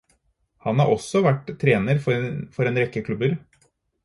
Han har også vært trener for en rekke klubber.